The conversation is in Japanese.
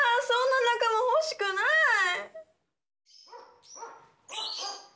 そんな仲間欲しくない！